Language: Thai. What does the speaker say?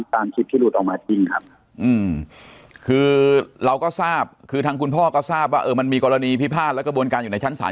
ตามคลิปที่หลุดออกมาจริงครับคือเราก็ทราบคือทางคุณพ่อก็ทราบว่ามันมีกรณีพิพาทและกระบวนการอยู่ในชั้นศาล